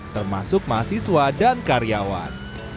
termasuk mahasiswa dan karyawan